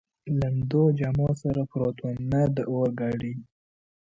لوندو جامو سره پروت ووم، نه د اورګاډي.